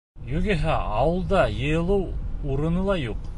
Юғиһә ауылда йыйылыу урыны ла юҡ.